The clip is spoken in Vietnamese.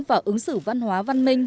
và ứng xử văn hóa văn minh